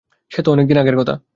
সে তো অনেক দিন আগের কথা।